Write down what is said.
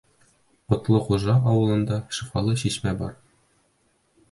Ҡотлоғужа ауылында шифалы шишмә бар.